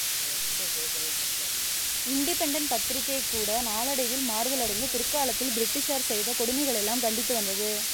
Independent பத்திரிகை கூட நாளடைவில் மாறுதலடைந்து, பிற்காலத்தில் பிரிட்டிஷார் செய்த கொடுமைகளையெல்லாம் கண்டித்து வந்தது.